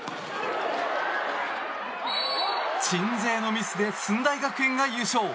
鎮西のミスで駿台学園が優勝。